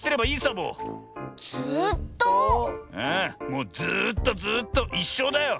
もうずっとずっといっしょうだよ。